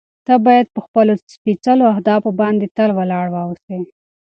ته باید په خپلو سپېڅلو اهدافو باندې تل ولاړ واوسې.